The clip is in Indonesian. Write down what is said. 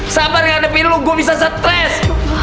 sabar ga ada pilih lu gue bisa stress